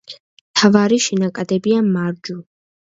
მთავარი შენაკადებია: მარჯვ.